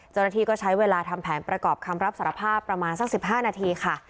เจ้าหน้าที่ก็ใช้เวลาทำแผนประกอบคำรับสารภาพประมาณสัก๑๕นาทีค่ะ